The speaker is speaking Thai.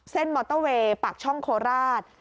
มอเตอร์เวย์ปากช่องโคราช